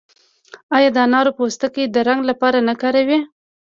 آیا د انارو پوستکي د رنګ لپاره نه کاروي؟